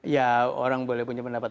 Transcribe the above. ya orang boleh punya pendapat